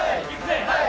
はい。